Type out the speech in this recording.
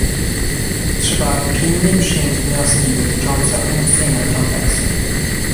Trzeba pilnie przyjąć wnioski dotyczące umocnienia Fronteksu